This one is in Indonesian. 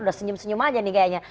udah senyum senyum aja nih kayaknya